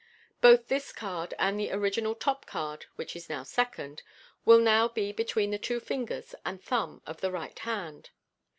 (See Fig 18.) Both this card and the original top card (which is now second) will now be between the two fingers and thumb of the right hand.